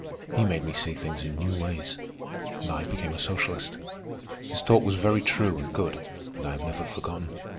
He made me see things in new ways, and I became a socialist. His talk was very true and good, and I have never forgotten.